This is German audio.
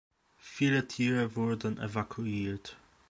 Viele Tiere wurden evakuiert.